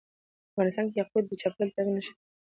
افغانستان کې یاقوت د چاپېریال د تغیر نښه ده.